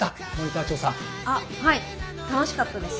あはい楽しかったです。